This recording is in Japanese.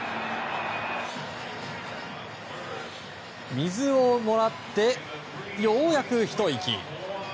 水をもらってようやくひと息。